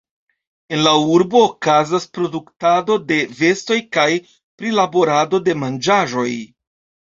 En la urbo okazas produktado de vestoj kaj prilaborado de manĝaĵoj.